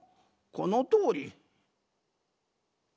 このとおり。